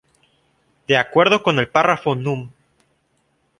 De acuerdo con el párrafo num.